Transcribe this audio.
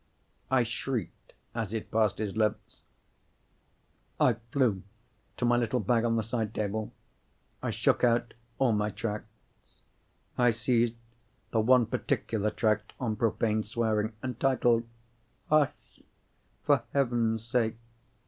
I shrieked as it passed his lips; I flew to my little bag on the side table; I shook out all my tracts; I seized the one particular tract on profane swearing, entitled, "Hush, for Heaven's Sake!"